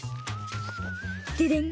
デデン！